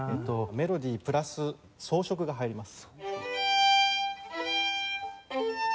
メロディプラス装飾が入ります。